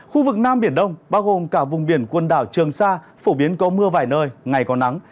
khu vực nam biển đông bao gồm cả vùng biển quần đảo trường sa phổ biến có mưa vài nơi ngày có nắng